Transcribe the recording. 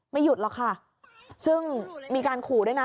หยุดหรอกค่ะซึ่งมีการขู่ด้วยนะ